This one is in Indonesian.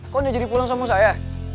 kok dia jadi pulang sama saya